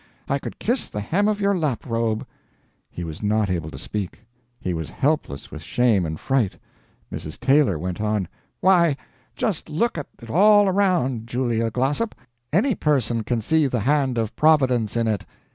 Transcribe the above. I could kiss the hem of your laprobe." He was not able to speak; he was helpless with shame and fright. Mrs. Taylor went on: "Why, just look at it all around, Julia Glossop. Any person can see the hand of Providence in it.